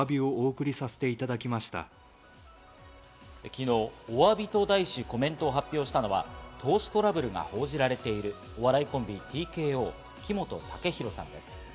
昨日、「お詫び」と題しコメントを発表したのは、投資トラブルが報じられている、お笑いコンビ、ＴＫＯ・木本武宏さんです。